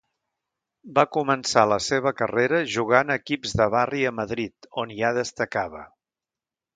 Va començar la seva carrera jugant a equips de barri a Madrid on ja destacava.